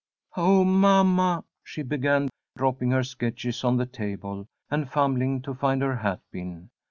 "Oh, mamma!" she began, dropping her sketches on the table, and fumbling to find her hat pin.